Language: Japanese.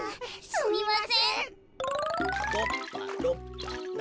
すみません。